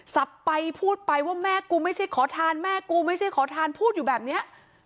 สับไปพูดไปว่าแม่กูไม่ใช่ขอทานแม่กูไม่ใช่ขอทานพูดอยู่แบบเนี้ย